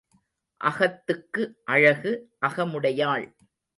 அகத்துக்கு அழகு அகமுடையாள்.